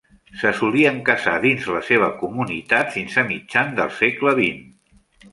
Se solien casar dins la seva comunitat fins a mitjan del segle XX.